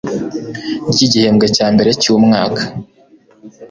ry igihembwe cya mbere cy umwaka